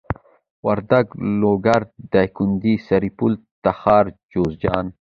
وردک لوګر دايکندي سرپل تخار جوزجان